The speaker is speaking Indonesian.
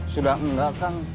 sudah enggak kang